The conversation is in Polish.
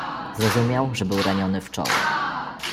"Zrozumiał, że był raniony w czoło."